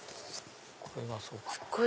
これがそうかな。